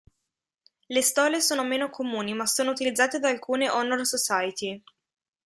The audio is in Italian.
Le stole sono meno comuni ma sono utilizzate da alcune "honor society".